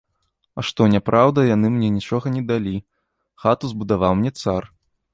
А што, няпраўда, яны мне нічога не далі, хату збудаваў мне цар.